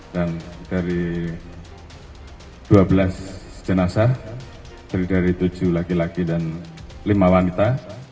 dan dari dua belas jenazah dari tujuh laki laki dan lima wanita